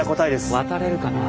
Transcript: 渡れるかなあ。